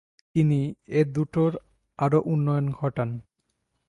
তিনি এ দুটোর আরও উন্নয়ন ঘটান।